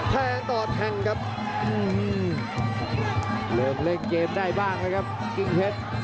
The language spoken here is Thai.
แทงต่อแทงครับเลิกเล่นเกมได้บ้างนะครับกิ่งเพชร